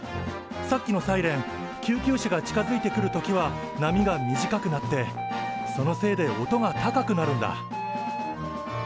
さっきのサイレン救急車が近づいてくる時は波が短くなってそのせいで音が高くなるんだ。